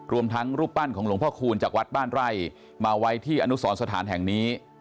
รวมทั้งรูปปั้นของหลวงพ่อคูณจากวัดบ้านไร่มาไว้ที่อนุสรสถานแห่งนี้